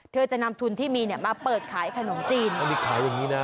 เธอจะนำทุนที่มีเนี่ยมาเปิดขายขนมจีน